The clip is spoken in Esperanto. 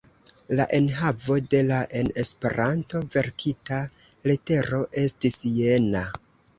La enhavo de la en Esperanto verkita letero estis jena: